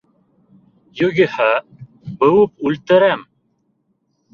Юғиһә, быуып үлтерәм!